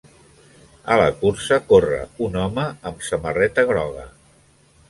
A la cursa corre un home amb samarreta groga.